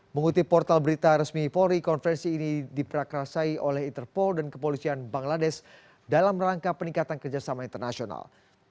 mengutip portal berita resmi polri konferensi ini diperakrasai oleh interpol dan kepolisian bangladesh dalam rangka peningkatan kerjasama internasional